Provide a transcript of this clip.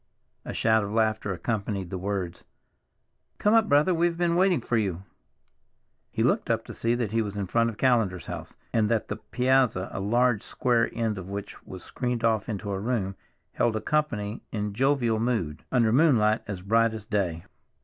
A shout of laughter accompanied the words. "Come up, brother, we've been waiting for you!" He looked up to see that he was in front of Callender's house, and that the piazza, a large square end of which was screened off into a room, held a company in jovial mood, under moonlight as bright as day.